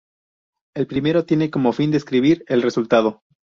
El primero, tiene como fin describir el resultado.